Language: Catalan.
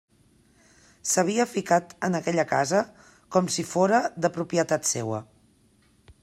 S'havia ficat en aquella casa com si fóra de propietat seua.